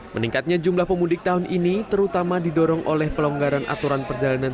meningkatnya jumlah pemudik tahun ini terutama didorong oleh pelonggaran aturan perjalanan